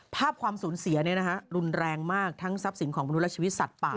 ความสูญเสียรุนแรงมากทั้งทรัพย์สินของมนุษย์สัตว์ป่า